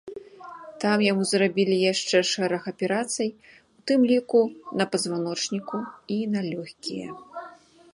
Там яму зрабілі яшчэ шэраг аперацый, у тым ліку на пазваночніку і на лёгкія.